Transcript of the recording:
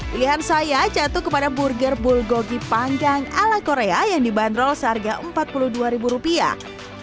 pilihan saya jatuh kepada burger bulgogi panggang ala korea yang dibanderol seharga empat puluh dua ribu rupiah